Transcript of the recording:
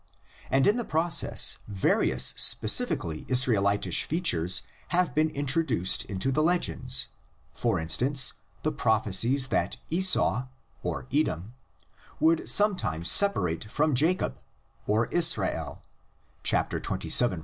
And in the process various specifically Israelitish features have been introduced into the legends, for instance, the prophecies that Esau (Edom) would sometime separate from Jacob (Israel), xxvii.